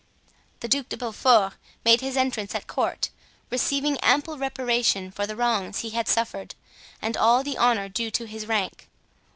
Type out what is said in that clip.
The Duc de Beaufort made his entrance at court, receiving ample reparation for the wrongs he had suffered, and all the honor due to his rank.